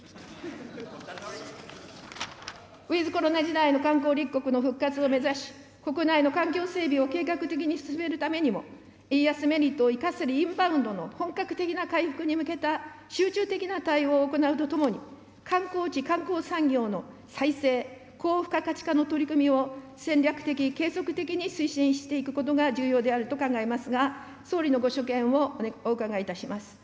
ウィズコロナ時代の観光立国の復活を目指し、国内の環境整備を計画的に進めるためにも、円安メリットを生かすインバウンドの本格的な回復に向けた集中的な対応を行うとともに、観光地、観光産業の再生・高付加価値化の取り組みを戦略的継続的に推進していくことが重要であると考えますが、総理のご所見をお伺いいたします。